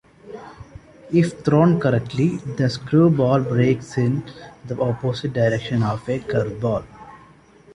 If thrown correctly, the screwball breaks in the opposite direction of a curveball.